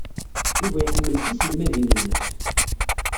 Yuba iḥemmel tiselmadin-nnes.